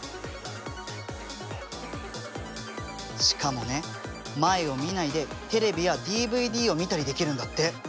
しかもね前を見ないでテレビやＤＶＤを見たりできるんだって。